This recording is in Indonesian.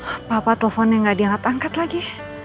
apa apa teleponnya gak diangkat angkat lagi